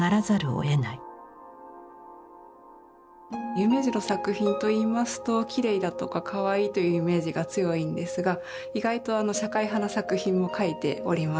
夢二の作品といいますときれいだとかかわいいというイメージが強いんですが意外と社会派の作品も描いております。